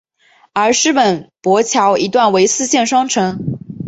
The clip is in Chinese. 而师云砵桥一段为四线双程。